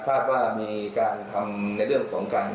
ทราบว่ามีการทำในเรื่องของการ